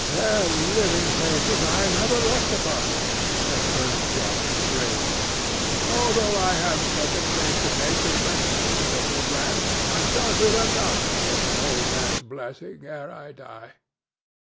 "Their living faces I never looked upon," said Colonel Joliffe, gravely; "although I have spoken face to face with many rulers of this land, and shall greet yet another with an old man's blessing ere I die.